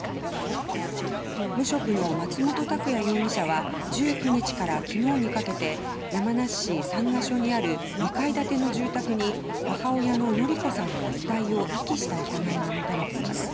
無職の松元拓也容疑者は１９日から昨日にかけて山梨市三ケ所にある２階建ての住宅に母親の法子さんの遺体を遺棄した疑いが持たれています。